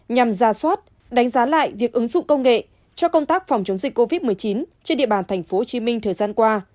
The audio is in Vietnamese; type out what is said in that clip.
nhằm ra soát đánh giá lại việc ứng dụng công nghệ cho công tác phòng chống dịch covid một mươi chín trên địa bàn tp hcm thời gian qua